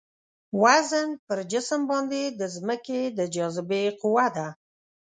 وزن پر جسم باندې د ځمکې د جاذبې قوه ده.